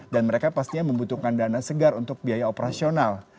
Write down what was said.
dan mereka pastinya membutuhkan dana segar untuk biaya operasional